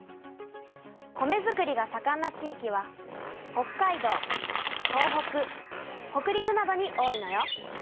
米づくりがさかんな地域は北海道東北北陸などに多いのよ。